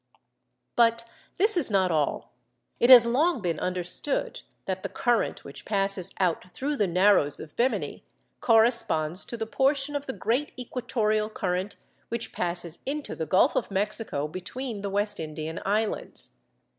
But this is not all. It has long been understood that the current which passes out through the Narrows of Bemini corresponds to the portion of the great equatorial current which passes into the Gulf of Mexico between the West Indian Islands.